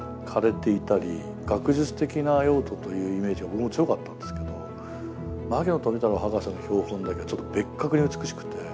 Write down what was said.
学術的な用途というイメージが僕も強かったんですけど牧野富太郎博士の標本だけちょっと別格に美しくて。